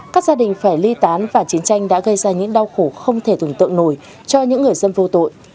các gia đình phải ly tán và chiến tranh đã gây ra những đau khổ không thể tưởng tượng nổi cho những người dân vô tội